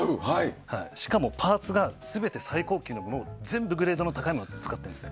しかも、パーツが全て最高級のもの全てグレードの高いものを使っています。